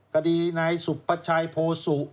คดีนายสุประชัยโพสุ